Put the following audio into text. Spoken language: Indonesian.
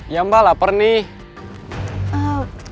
ya mbak lapar nih